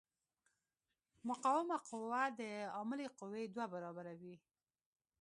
مقاومه قوه د عاملې قوې دوه برابره وي.